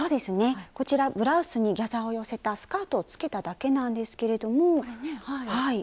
こちらブラウスにギャザーを寄せたスカートをつけただけなんですけれども。